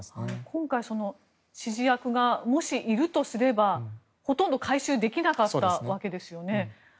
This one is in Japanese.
今回、指示役がもし、いるとすればほとんど回収できなかったわけですよね。